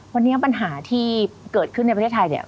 วันนี้ปัญหาที่เกิดขึ้นในประเทศไทยเนี่ย